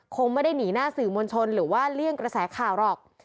คงไม่ได้หนีหน้าสื่อมวลชนหรือว่าเลี่ยงกระแสข่าวหรอก